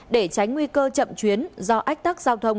để tránh nguy cơ chậm chuyến do ách tắc giao thông